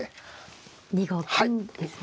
２五金ですね。